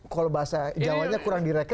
kalau bahasa jawanya kurang direkam